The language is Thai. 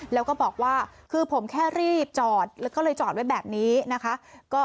แล้วก็บอกว่าคือผมแค่รีบจอดแล้วก็เลยจอดไว้แบบนี้นะคะ